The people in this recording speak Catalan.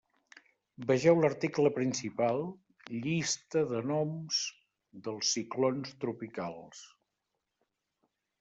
Vegeu l'article principal Llista de noms dels ciclons tropicals.